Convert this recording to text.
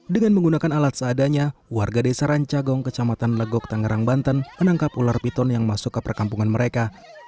dengan menggunakan alat seadanya warga desa rancagong kecamatan legok tangerang banten menangkap ular piton yang masuk ke perkampungan mereka